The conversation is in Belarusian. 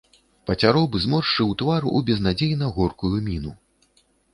Пацяроб зморшчыў твар у безнадзейна горкую міну.